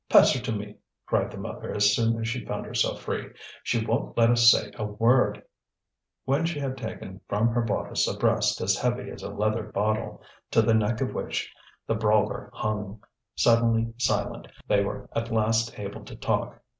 "Pass her to me," cried the mother as soon as she found herself free; "she won't let us say a word." When she had taken from her bodice a breast as heavy as a leather bottle, to the neck of which the brawler hung, suddenly silent, they were at last able to talk.